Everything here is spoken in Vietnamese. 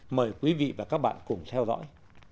mời quý vị và các bạn cùng theo dõi